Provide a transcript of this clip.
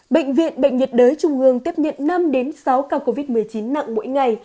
bệnh viện bệnh nhiệt đới trung hương tiếp nhận năm sáu ca covid một mươi chín nặng mỗi ngày